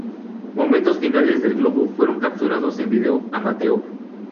Momentos finales del globo fueron capturados en video amateur.